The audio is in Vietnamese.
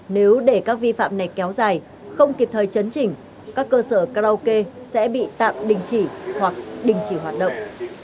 nếu để các vi phạm này kéo dài không kịp thời chấn chỉnh các cơ sở karaoke sẽ bị tạm đình chỉ hoặc đình chỉ hoạt động